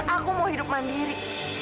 aku mau hidup mandiri